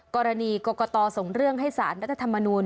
กรณีกรกตส่งเรื่องให้สารรัฐธรรมนูล